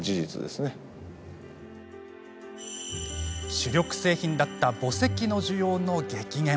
主力製品だった墓石の需要の激減。